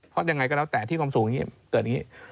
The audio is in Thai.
เพราะยังไงก็แล้วแต่ที่ความสูงอย่างนี้เกิดอย่างนี้